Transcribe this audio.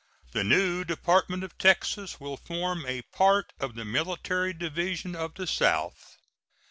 The new Department of Texas will form a part of the Military Division of the South.